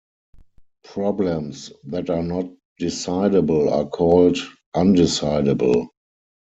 Problems that are not decidable are called "undecidable".